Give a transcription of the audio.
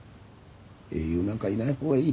英雄なんかいない方がいい。